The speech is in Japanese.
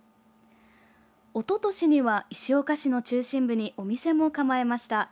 おととしには、石岡市の中心部にお店も構えました。